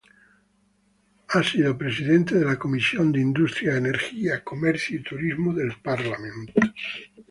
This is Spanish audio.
Ha sido presidente de la Comisión de Industria, Energía, Comercio y Turismo del Parlament.